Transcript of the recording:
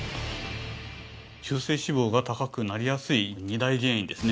中性脂肪が高くなりやすい２大原因ですね